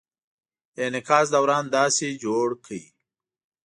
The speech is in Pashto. د انعکاس دوران داسې جوړ کړئ: